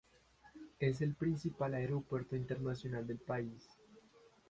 Es el principal aeropuerto internacional del país.